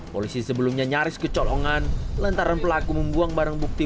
polisi sebelumnya nyaris kecolongan lantaran pelaku membuang barang bukti